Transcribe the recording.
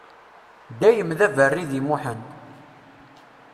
Dayem d aberri di Muḥend.